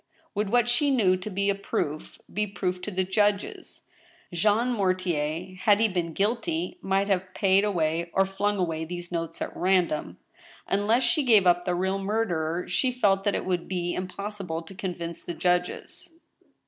Would what she knew to be a proof, be proof to the judges ? Jean Mortier, had he been guilty, might have paid away or flung away these notes at random. Unless she gave up the real murderer, she felt that it would be impossible to convince the judges.